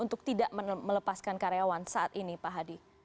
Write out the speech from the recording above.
untuk tidak melepaskan karyawan saat ini pak hadi